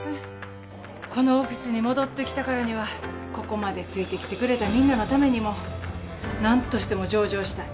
このオフィスに戻ってきたからにはここまでついてきてくれたみんなのためにも何としても上場したい。